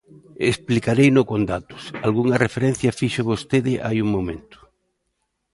Explicareino con datos; algunha referencia fixo vostede hai un momento.